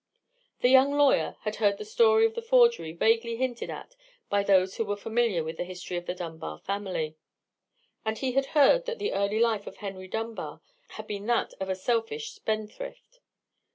The young lawyer had heard the story of the forgery vaguely hinted at by those who were familiar with the history of the Dunbar family; and he had heard that the early life of Henry Dunbar had been that of a selfish spendthrift.